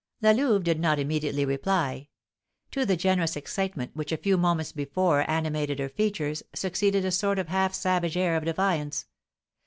La Louve did not immediately reply. To the generous excitement which a few moments before animated her features, succeeded a sort of half savage air of defiance.